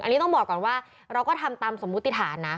อันนี้ต้องบอกก่อนว่าเราก็ทำตามสมมุติฐานนะ